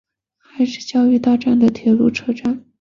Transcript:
爱之里教育大站的铁路车站。